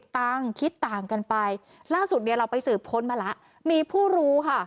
ต่างคิดต่างกันไปล่าสุดเนี่ยเราไปสืบค้นมาแล้วมีผู้รู้ค่ะ